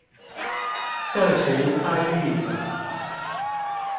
社群參與者